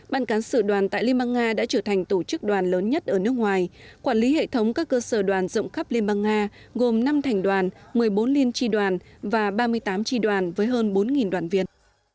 ban cán sự đoàn tại liên bang nga đã trở thành tổ chức đoàn lớn nhất ở nước ngoài quản lý hệ thống các cơ sở đoàn rộng khắp liên bang nga gồm năm thành đoàn một mươi bốn liên tri đoàn và ba mươi tám tri đoàn với hơn bốn đoàn viên